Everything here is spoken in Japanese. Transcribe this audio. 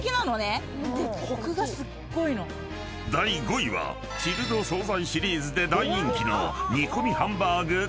［第５位はチルド惣菜シリーズで大人気の］